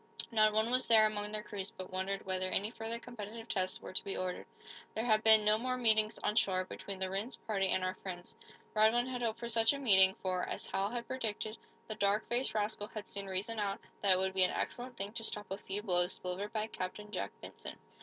Not one was there among their crews but wondered whether any further competitive tests were to be ordered. There had been no more meetings, on shore, between the Rhinds party and our friends. Radwin had hoped for such a meeting, for, as Hal had predicted, the dark faced rascal had soon reasoned out that it would be an excellent thing to stop a few blows delivered by Captain Jack Benson.